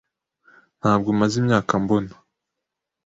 Ntabwo maze imyaka mbona.